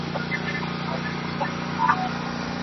তিনি চণ্ডীদাসের গুণের অনুরাগিণী হয়ে পড়েন।